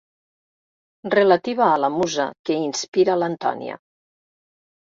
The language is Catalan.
Relativa a la musa que inspira l'Antònia.